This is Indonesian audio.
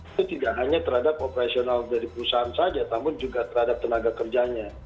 itu tidak hanya terhadap operasional dari perusahaan saja tapi juga terhadap tenaga kerjanya